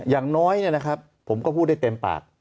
อย่างน้อยผมก็พูดได้เต็มปาก